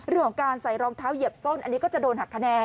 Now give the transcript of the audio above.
เรื่องของการใส่รองเท้าเหยียบส้นอันนี้ก็จะโดนหักคะแนน